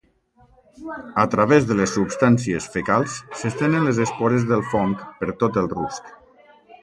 A través de les substàncies fecals s'estenen les espores del fong per tot el rusc.